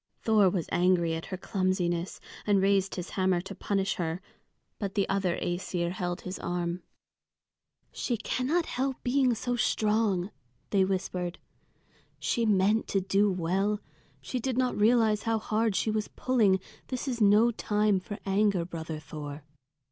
Thor was angry at her clumsiness, and raised his hammer to punish her. But the other Æsir held his arm. "She cannot help being so strong," they whispered. "She meant to do well. She did not realize how hard she was pulling. This is no time for anger, brother Thor."